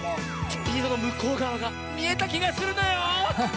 スピードのむこうがわがみえたきがするのよ！